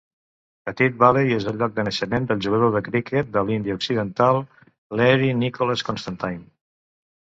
Petit Valley és el lloc de naixement del jugador de criquet de l'Índia Occidental Learie Nicholas Constantine.